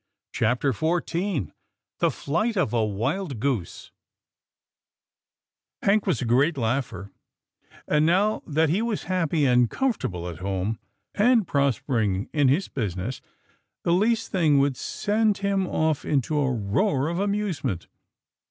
CHAPTER XIV THE FLIGHT OF A WILD GOOSE Hank was a great laugher, and now that he was happy and comfortable at home, and prospering in his business, the least thing would send him off into a roar of amusement.